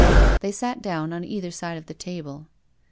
They sat down on either side of the table.